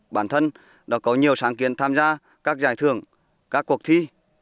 bản thân đã có nhiều sáng kiến tham gia các giải thưởng các cuộc thi